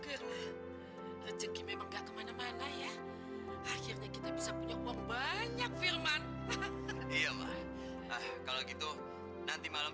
emangnya aku pikirin